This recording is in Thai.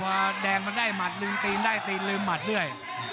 พอแดงมันได้หมัดลืมตีนได้ตีนลืมหมัดด้วย